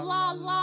あ。